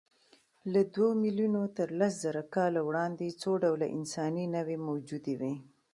له دوو میلیونو تر لسزره کاله وړاندې څو ډوله انساني نوعې موجودې وې.